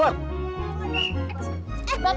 ya pak ya pak